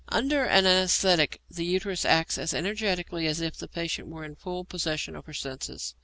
Under an anæsthetic the uterus acts as energetically as if the patient were in the full possession of her senses.